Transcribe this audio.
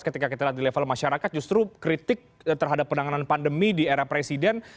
ketika kita lihat di level masyarakat justru kritik terhadap penanganan pandemi di era presiden